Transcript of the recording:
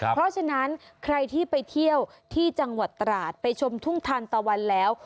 เพราะฉะนั้นใครที่ไปเที่ยวที่จังหวัดตราดไปชมทุ่งทานตะวันแล้ว